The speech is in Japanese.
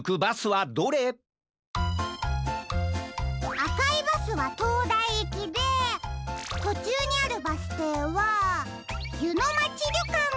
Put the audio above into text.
あかいバスはとうだいいきでとちゅうにあるバスていはゆのまちりょかん！